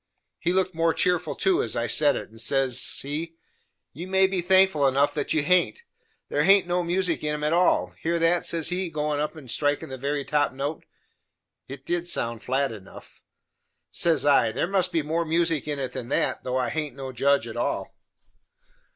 He looked more cheerful too as I said it, and says he "You may be thankful enough that you haint. There haint no music in 'em at all; hear that," says he, goin' up and strikin' the very top note. It did sound flat enough. Says I, "There must be more music in it than that, though I haint no judge at all."